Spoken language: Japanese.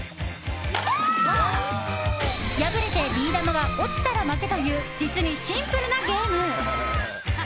破れてビー玉が落ちたら負けという実にシンプルなゲーム。